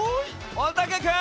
おたけくん！